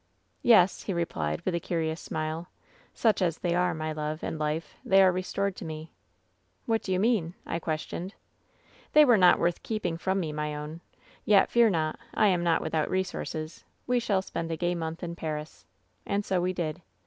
" ^Yes,' he replied, with a curious smile. *Such as they are, my love and life, they are restored to me.^ " *What do you mean V I questioned. " ^That they were not worth keeping from me, my own. Yet, fear not. I am not without resources. We shall spend a gay month in Paris.' "And so we did.